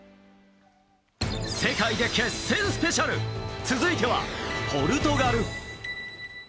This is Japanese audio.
世界で決戦スペシャル続いてはポルトガル。